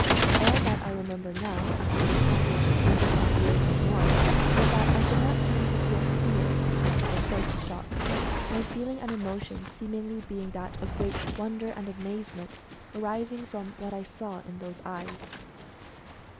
All that I remember now, after the passage of thirty five years or more, is that I did not seem to feel fear after the first shock, my feeling and emotion seemingly being that of great wonder, and amazement arising from what I saw in those eyes.